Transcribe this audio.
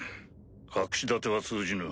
隠し立ては通じぬ。